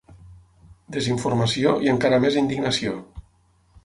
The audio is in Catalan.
Desinformació i encara més indignació.